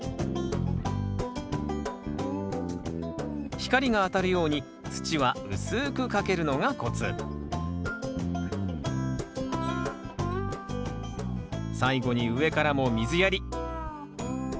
光が当たるように土は薄くかけるのがコツ最後に上からも水やり。